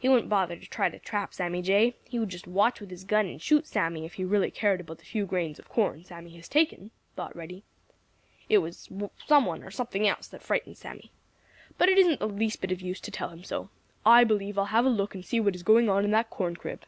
"He wouldn't bother to try to trap Sammy Jay; he would just watch with his gun and shoot Sammy if he really cared about the few grains of corn Sammy has taken," thought Reddy. "It was some one or something else that frightened Sammy. But it isn't the least bit of use to tell him so. I believe I'll have a look and see what is going on at that corn crib."